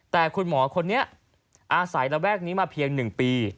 แต่คุณหมอคนนี้อาศัยระแวกนี้มาเพียง๑ปี